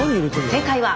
正解は。